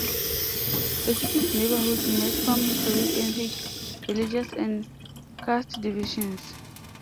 The city's neighborhoods emerge from historic ethnic, religious and caste divisions.